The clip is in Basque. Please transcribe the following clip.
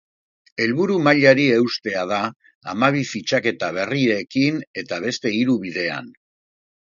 Helburua mailari eustea da, hamabi fitxaketa berrirekin, eta beste hiru bidean.